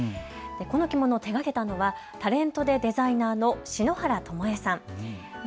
この着物を手がけたのはタレントでデザイナーの篠原ともえさん。